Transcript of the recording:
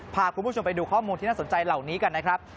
พาคุณผู้ชมไปดูข้อมูลที่น่าสนใจเหล่านี้กันนะครับ